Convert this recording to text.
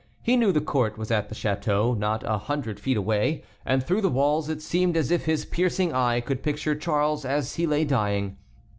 He knew the court was at the château, not a hundred feet away, and through the walls it seemed as if his piercing eye could picture Charles as he lay dying.